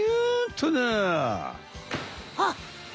あっ！